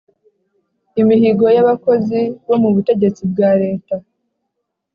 imihigo y abakozi bo mu butegetsi bwa Leta